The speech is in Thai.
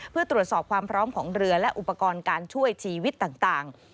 เพื่อตรวจสอบความพร้อมของเรือและอุปกรณ์การช่วยชีวิตต่าง